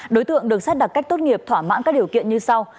đối tượng được xét đặc cách tốt nghiệp thỏa mãn các điều kiện như sau